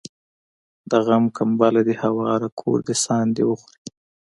د غم کمبله دي هواره کور دي ساندي وخوري